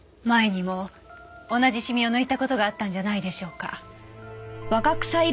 前にも同じシミを抜いた事があったんじゃないでしょうか？